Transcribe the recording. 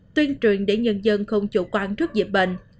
tuyên truyền để nhân dân không chủ quan trước dịch bệnh